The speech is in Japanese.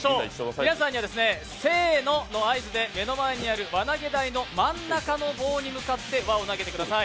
皆さんには、せーのの合図で目の前にある輪投げ台の真ん中の棒に向かって輪を投げてください。